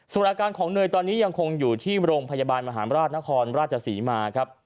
ส่วนอาการของเนยตอนนี้ยังคงอยู่ที่โรงพยาบาลมหาราชนครราชศรีมาครับ